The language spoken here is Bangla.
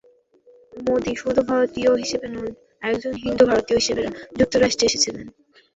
মোদি শুধু ভারতীয় হিসেবে নন, একজন হিন্দু ভারতীয় হিসেবে যুক্তরাষ্ট্রে এসেছিলেন।